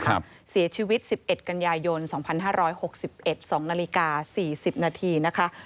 ครับสีชีวิตสิบเอ็ดกันยายนสองพันห้าร้อยหกสิบเอ็ดสองนาฬิกาสี่สิบนาทีนะคะ